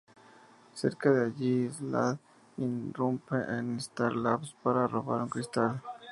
Cerca de allí, Slade irrumpe en Star Labs para robar un cristal.